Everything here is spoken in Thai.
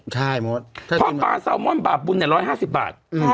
พอปลาซาวมอนด์บาปุ่นเนี่ย๑๕๐บาท